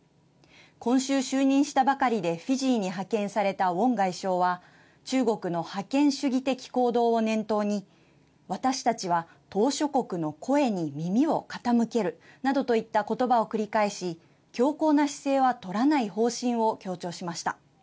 今週、就任したばかりでフィジーに派遣されたウォン外相は中国の覇権主義的行動を念頭に私たちは、島しょ国の声に耳を傾けるなどといったことばを繰り返し強硬な姿勢は取らない方針を強調しました。